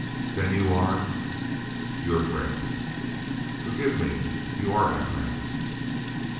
"Then you are " "Your friend." "Forgive me. You are my friend!"